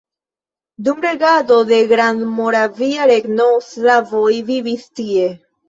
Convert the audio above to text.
Dum regado de Grandmoravia Regno slavoj vivis tie.